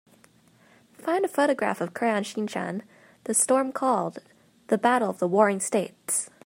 Find a photograph of Crayon Shin-chan: The Storm Called: The Battle of the Warring States